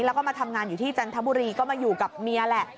แล้วก็มาทำงานอยู่ที่จันทบุรีก็มาอยู่กับเมียแหละ